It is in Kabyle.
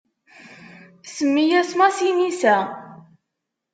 Semmi-as Masinisa.